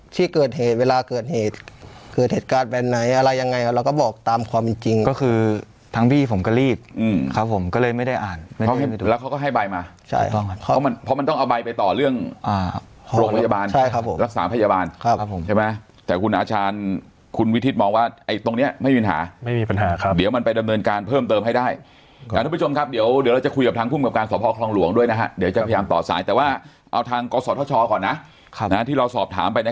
ที่เกิดเหตุเวลาเกิดเหตุเกิดเหตุการณ์แบบไหนอะไรยังไงเราก็บอกตามความจริงจริงก็คือทั้งพี่ผมก็รีบอืมครับผมก็เลยไม่ได้อ่านแล้วเขาก็ให้ใบมาใช่ต้องครับเขามันเพราะมันต้องเอาใบไปต่อเรื่องอ่าโรคพยาบาลใช่ครับผมรักษาพยาบาลครับครับผมใช่ไหมแต่คุณอาชารคุณวิทิศมองว่าไอ้ตรงเนี้ยไม่มีปัญหา